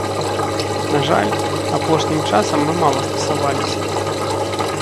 На жаль, апошнім часам мы мала стасаваліся.